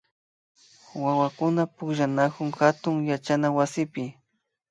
Wawakuna pukllanakun hatun yachana wasipi